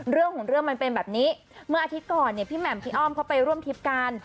เรื่องของเรื่องมันเป็นแบบนี้เมื่ออาทิตย์ก่อนเนี่ยพี่แหม่มพี่อ้อมเขาไปร่วมทริปกัน